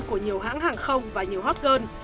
của nhiều hãng hàng không và nhiều hot girl